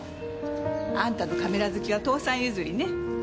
あんたのカメラ好きは父さん譲りね。